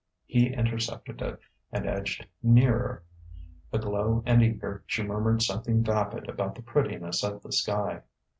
He intercepted it, and edged nearer. Aglow and eager, she murmured something vapid about the prettiness of the sky.